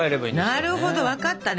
なるほど分かったね